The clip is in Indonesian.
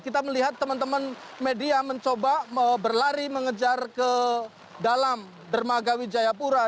kita melihat teman teman media mencoba berlari mengejar ke dalam dermaga wijayapura